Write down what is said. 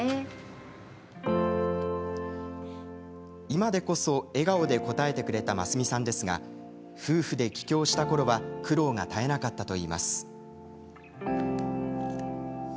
今でこそ笑顔で答えてくれた真澄さんですが夫婦で帰郷したころは苦労が耐えなかったといいます。